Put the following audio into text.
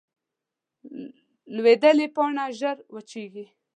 لوېدلې پاڼه ژر وچېږي